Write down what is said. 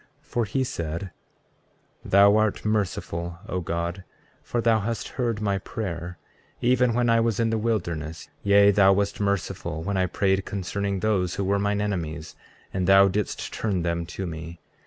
33:4 For he said: Thou art merciful, O God, for thou hast heard my prayer, even when I was in the wilderness; yea, thou wast merciful when I prayed concerning those who were mine enemies, and thou didst turn them to me.